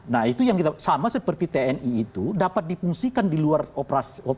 nah itu yang kita sama seperti tni itu dapat dipungsikan di luar operasi